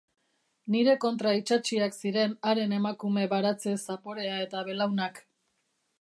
Nire kontra itsatsiak ziren haren emakume-baratze zaporea eta belaunak.